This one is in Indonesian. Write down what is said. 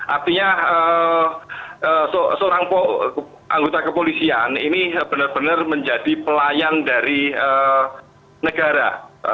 artinya seorang anggota kepolisian ini benar benar menjadi pelayan dari negara